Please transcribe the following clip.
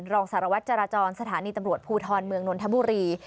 รองสารวัตรจราจรสถานีตำรวจภูทรเมืองนนทบุรี